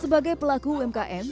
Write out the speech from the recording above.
sebagai pelaku umkm